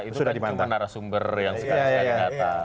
itu kan cuma narasumber yang sekarang segala dikata